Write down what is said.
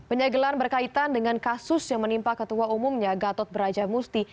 penyegelan berkaitan dengan kasus yang menimpa ketua umumnya gatot brajamusti